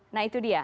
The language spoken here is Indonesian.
nah itu dia